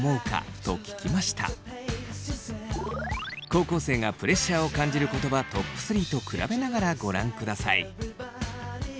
高校生がプレッシャーを感じる言葉トップ３と比べながらご覧ください。